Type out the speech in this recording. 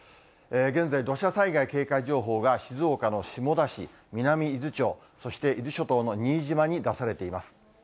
現在、土砂災害警戒情報が静岡の下田市、南伊豆町、そして伊豆諸島の新島に出されています。